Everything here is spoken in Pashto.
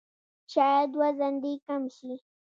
شاید وزن دې کم شي!